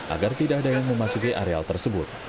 agar tidak ada yang memasuki areal tersebut